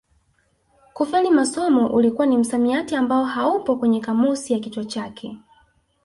Kufeli masomo ulikuwa ni msamiati ambao haupo kwenye kamusi ya kichwa chake